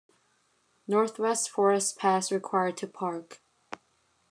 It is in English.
Northwest Forest Pass required to park.